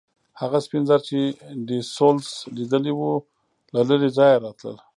هغه سپین زر چې ډي سولس لیدلي وو له لرې ځایه راتلل.